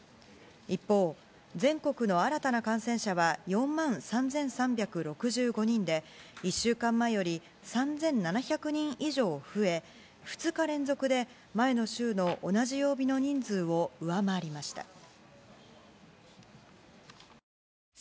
一方、全国の新たな感染者は４万３３６５人で１週間前より３７００人以上増え２日連続で前の週の同じ曜日の人数を上回りました。